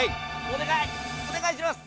お願いします！